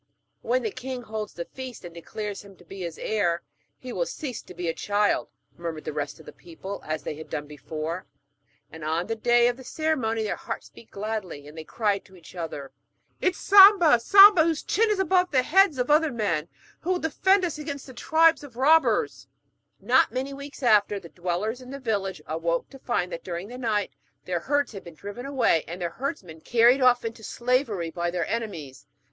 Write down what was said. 'When the king holds the feast and declares him to be his heir, he will cease to be a child,' murmured the rest of the people, as they had done before; and on the day of the ceremony their hearts beat gladly, and they cried to each other: 'It is Samba, Samba, whose chin is above the heads of other men, who will defend us against the tribes of the robbers!' Not many weeks after, the dwellers in the village awoke to find that during the night their herds had been driven away, and their herdsmen carried off into slavery by their enemies.